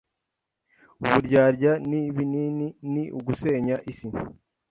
Uburyarya n'ibinini ni ugusenya isi.